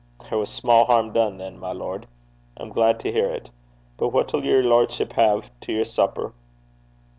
'There was sma' hairm dune than, my lord. I'm glaid to hear 't. But what'll yer lordship hae to yer supper?'